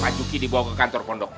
pak juki dibawa ke kantor pondok